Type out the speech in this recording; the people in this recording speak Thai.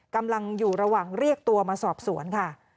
กำลังอยู่ระหว่างเรียกตัวมาสอบสวนค่ะ